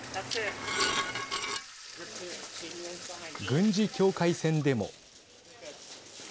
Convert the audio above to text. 軍事境界線でも。